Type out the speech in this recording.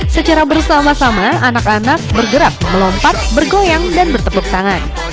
secara bersama sama anak anak bergerak melompat bergoyang dan bertepuk tangan